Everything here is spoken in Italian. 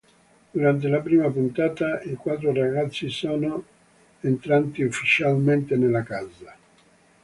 Durante la prima puntata i quattro ragazzi sono sono entrati ufficialmente nella casa.